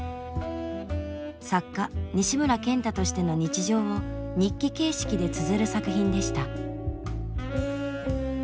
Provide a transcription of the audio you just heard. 作家西村賢太としての日常を日記形式でつづる作品でした。